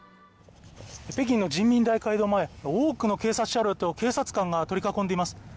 北京の人民大会堂前多くの警察車両と警察官が取り囲んでいます